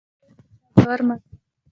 له حده ډېر په چا باور مه کوه.